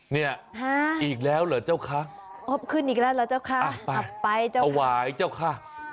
เนี่ยอีกแล้วเหรอเจ้าค่ะขึ้นอีกแล้วเหรอเจ้าค่ะเอาไว้เจ้าค่ะ